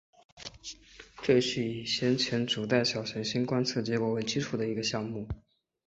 这是以先前主带小行星观测结果为基础的一个项目。